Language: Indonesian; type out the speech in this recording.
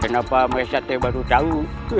kenapa maesha aku baru tahu